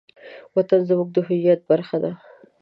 وطن زموږ د هویت برخه ده.